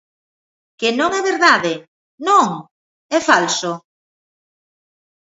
¿Que non é verdade?, ¿non?, ¿é falso?